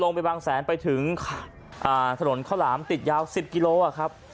ไปบางแสนไปถึงถนนข้าวหลามติดยาว๑๐กิโลครับ